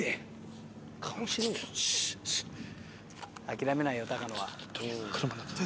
諦めないよ高野は。